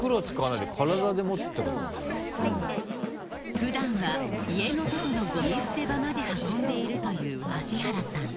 普段は家の外のゴミ捨て場まで運んでいるという橋原さん